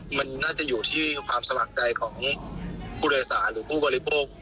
มันน่าจะอยู่ที่ความสมัครใจของผู้โดยสารหรือผู้บริโภค